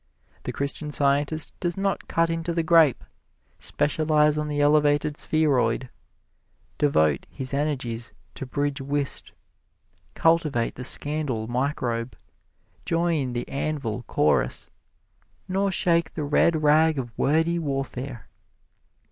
The Christian Scientist does not cut into the grape; specialize on the elevated spheroid; devote his energies to bridge whist; cultivate the scandal microbe; join the anvil chorus, nor shake the red rag of wordy warfare.